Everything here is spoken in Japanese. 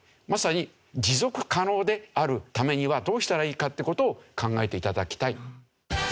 まさに持続可能であるためにはどうしたらいいか？って事を考えて頂きたい。